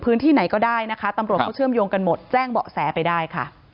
พื้นที่ไหนก็ได้นะคะตำรวจเขาเชื่อมโยงกันหมดแจ้งเบาะแสไปได้ค่ะ